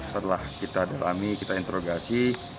setelah kita datangi kita interogasi